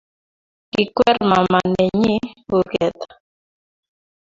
Kikwer mama nenyi kurget